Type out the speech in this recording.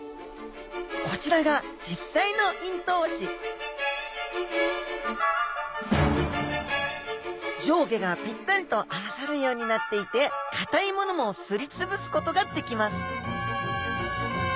こちらが実際の咽頭歯上下がピッタリと合わさるようになっていてかたいものもすり潰すことができます